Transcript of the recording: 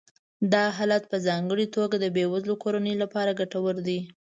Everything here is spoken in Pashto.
دا حالت په ځانګړې توګه د بې وزله کورنیو لپاره ګټور دی